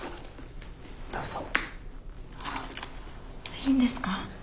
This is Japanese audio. いいんですか？